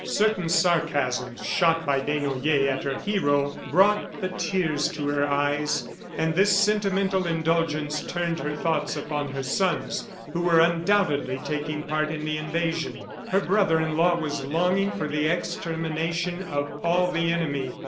Certain sarcasms, shot by Desnoyers at her hero, brought the tears to her eyes, and this sentimental indulgence turned her thoughts upon her sons who were undoubtedly taking part in the invasion. Her brother in law was longing for the extermination of all the enemy.